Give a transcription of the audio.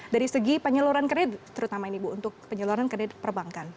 dari segi penyaluran kredit terutama ini bu untuk penyaluran kredit perbankan